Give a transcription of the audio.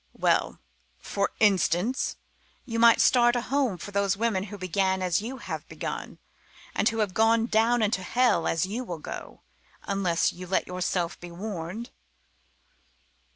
Well for instance you might start a home for those women who began as you have begun, and who have gone down into hell, as you will go unless you let yourself be warned."